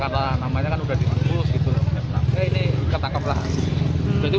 karena namanya kan udah ditembus gitu